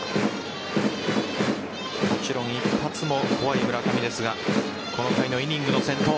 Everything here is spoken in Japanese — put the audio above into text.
もちろん一発も怖い村上ですがこの回のイニングの先頭。